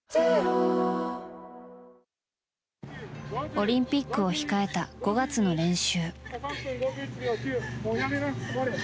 オリンピックを控えた５月の練習。